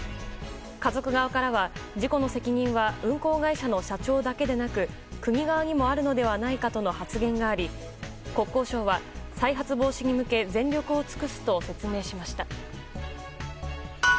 家族側からは、事故の責任は運航会社の社長だけでなく国側にもあるのではないかとの発言があり国交省は再発防止に向け全力を尽くすと説明しました。